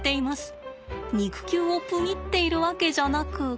肉球をプニっているわけじゃなく。